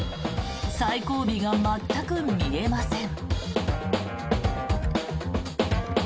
最後尾が全く見えません。